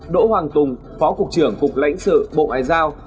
đỗ hoàng tùng phó cục trưởng cục lãnh sự bộ ngoại giao